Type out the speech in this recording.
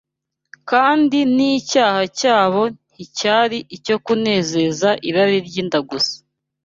kandi n’icyaha cyabo nticyari icyo kunezeza irari ry’inda gusa